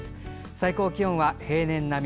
最高気温は平年並み。